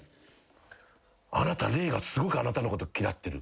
「あなた霊がすごくあなたのこと嫌ってる」